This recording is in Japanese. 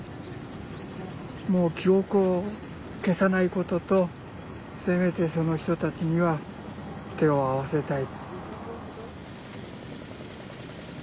もう記憶を消さないこととせめてその人たちには手を合わせたい。